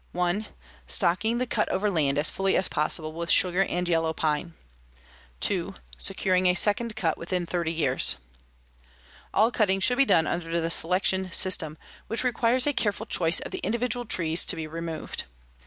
Stocking the cut over land as fully as possible with sugar and yellow pine. "2. Securing a second cut within thirty years. "All cutting should be done under the 'selection system,' which requires a careful choice of the individual trees to be removed.